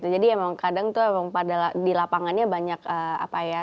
jadi emang kadang tuh di lapangannya banyak apa ya